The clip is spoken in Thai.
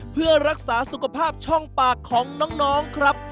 เพื่อรักษาสุขภาพช่องปากของน้องครับ